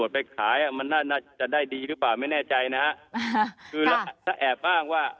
ไปขายอ่ะมันน่าจะได้ดีหรือเปล่าไม่แน่ใจนะฮะคือถ้าแอบอ้างว่า